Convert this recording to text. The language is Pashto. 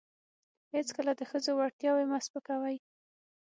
هیڅکله د ښځو وړتیاوې مه سپکوئ.